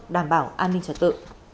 đảm bảo an ninh trả tự